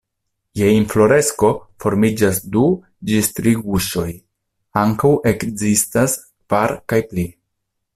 Je infloresko formiĝas du ĝis tri guŝoj, ankaŭ ekzistas kvar kaj pli.